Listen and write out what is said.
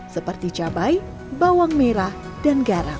seperti cabai bawang merah dan garam